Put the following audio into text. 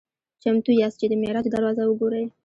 "چمتو یاست چې د معراج دروازه وګورئ؟"